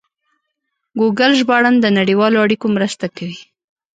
ګوګل ژباړن د نړیوالو اړیکو مرسته کوي.